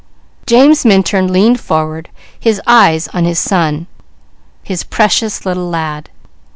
James Minturn leaned forward, his eyes on his son, his precious little lad.